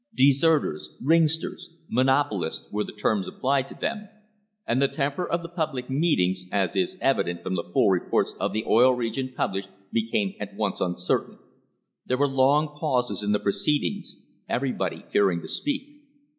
"De serters," "ringsters," "monopolists," were the terms applied to them, and the temper of the public meetings, as is evident from the full reports the newspapers of the Oil Region pub lished, became at once uncertain. There were long pauses in le proceedings, everybody fearing to speak.